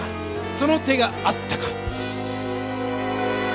その手があったか！